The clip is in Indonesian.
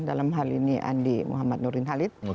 dalam hal ini andi muhammad nurdin halid